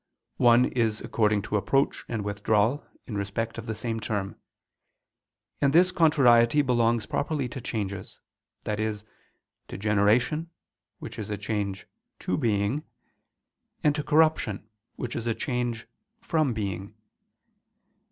One is according to approach and withdrawal in respect of the same term: and this contrariety belongs properly to changes, i.e. to generation, which is a change to being, and to corruption, which is a change _from being.